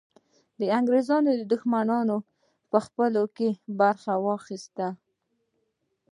د انګریزانو دښمنانو په ځپلو کې برخه واخیسته.